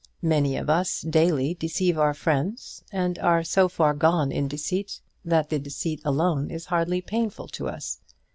Many of us daily deceive our friends, and are so far gone in deceit that the deceit alone is hardly painful to us.